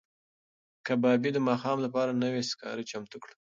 کبابي د ماښام لپاره نوي سکاره چمتو کړل.